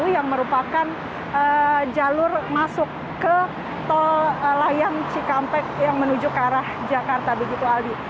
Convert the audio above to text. yang merupakan jalur masuk ke tol layang cikampek yang menuju ke arah jakarta begitu aldi